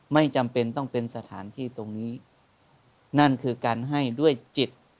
ไม่จำเป็นต้องเป็นสถานที่ตรงนี้นั่นคือการให้ด้วยจิต